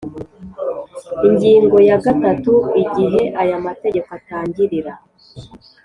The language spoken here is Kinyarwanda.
Ingingo ya gatatu Igihe aya mategeko atangirira